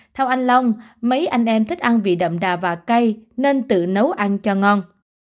theo anh long mấy anh em thích ăn vị đậm đà và cay nên tự nấu ăn cho ngon